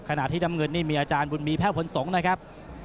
ขณะที่น้ำเงินนี่มีอาจารย์บุญมีแพ่วพลสงฆ์นะครับ